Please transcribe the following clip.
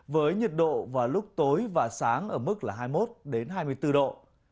với nhiệt độ vào lúc tối và sáng ở mức hai mươi một đến hai mươi bốn độ